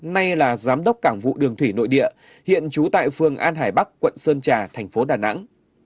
nay là giám đốc cảng vụ đường thủy nội địa hiện trú tại phường an hải bắc quận sơn trà thành phố đà nẵng